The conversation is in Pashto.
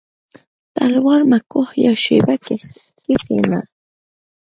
•تلوار مه کوه یو شېبه کښېنه.